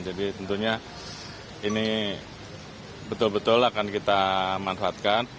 jadi tentunya ini betul betul akan kita manfaatkan